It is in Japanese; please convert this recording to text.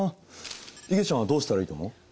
いげちゃんはどうしたらいいと思う？